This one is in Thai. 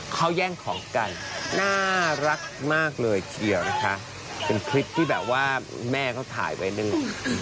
เขาแย่งของกันน่ารักมากเลยทีเดียวนะคะเป็นคลิปที่แบบว่าแม่เขาถ่ายไว้หนึ่ง